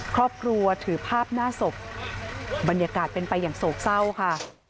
ครอบครัวถือภาพหน้าศพบรรยากาศเป็นไปอย่างโศกเศร้าค่ะ